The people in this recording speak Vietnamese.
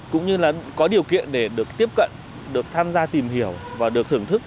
cũng như là có điều kiện để được tiếp cận được tham gia tìm hiểu và được thưởng thức